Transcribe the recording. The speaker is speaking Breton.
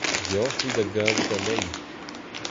Deoc'h-c'hwi da gavout anezhi…